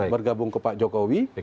bergabung ke pak jokowi